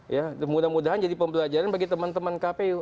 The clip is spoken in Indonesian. ya mudah mudahan jadi pembelajaran bagi teman teman kpu